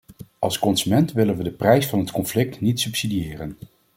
Als consumenten willen we de prijs van het conflict niet subsidiëren.